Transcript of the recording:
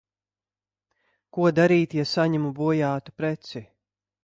Ko darīt, ja saņemu bojātu preci?